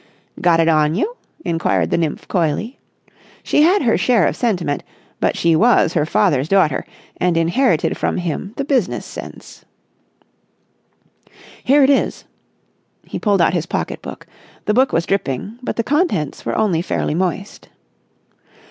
"Got it on you?" inquired the nymph coyly. She had her share of sentiment, but she was her father's daughter and inherited from him the business sense. "Here it is." He pulled out his pocket book. The book was dripping, but the contents were only fairly moist.